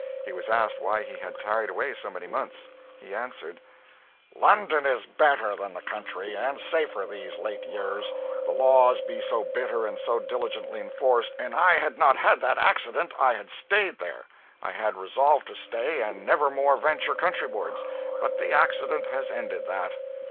He was asked why he had 'tarried away so many months.' He answered "London is better than the country, and safer, these late years, the laws be so bitter and so diligently enforced. An' I had not had that accident, I had stayed there. I had resolved to stay, and never more venture country wards but the accident has ended that."